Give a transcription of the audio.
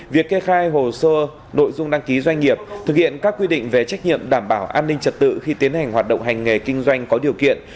việc kê khai hồ sơ nội dung đăng ký doanh nghiệp thực hiện các quy định về trách nhiệm đảm bảo an ninh trật tự khi tiến hành hoạt động hành nghề kinh doanh có điều kiện